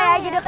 ya udah yuk